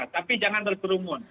tapi jangan berkerumun